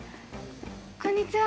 こんにちは。